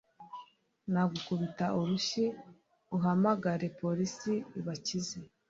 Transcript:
Nagukubita urushyi uhamagare police ibakize